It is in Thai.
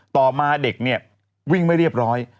ต่อมาเด็กเนี่ยวิ่งไม่เรียบร้อย